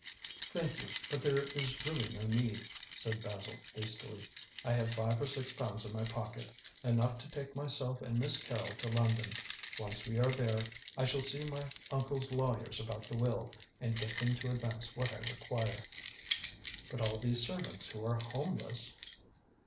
"Thank you; but there is really no need," said Basil hastily. "I have five or six pounds in my pocket: enough to take myself and Miss Carrol to London. Once we are there, I shall see my uncle's lawyers about the will, and get them to advance what I require." "But all these servants who are homeless?"